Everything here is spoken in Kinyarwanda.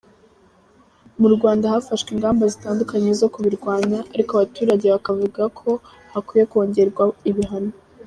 Mu Rwanda hafashwe ingamba zitandukanye zo kubirwanya, ariko abaturage bakavuga ko hakwiye kongerwa ibihano.